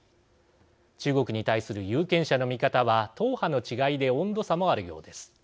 中国に対する有権者の見方は党派の違いで温度差もあるようです。